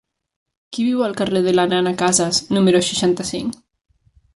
Qui viu al carrer de la Nena Casas número seixanta-cinc?